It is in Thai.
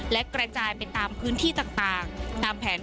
และกระจายไปตามพื้นที่ต่างตามแผน